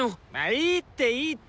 いいっていいって！